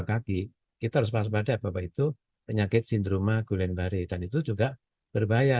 pagi kita harus berada bahwa itu penyakit sindroma gulen bare dan itu juga berbahaya